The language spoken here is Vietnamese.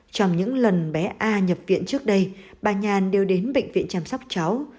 trong những lần bé a nhập viện trước đây bà nhàn đều đến bệnh viện chăm sóc cháu